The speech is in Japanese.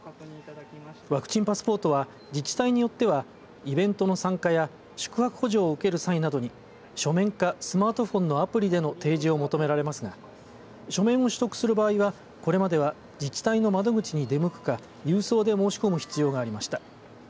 ワクチンパスポートは自治体によってはイベントの参加や宿泊補助を受ける際などに書面かスマートフォンのアプリでの提示を求められますが書面を取得する場合はこれまでは自治体の窓口に出向くか郵送で申し込む必要がありました。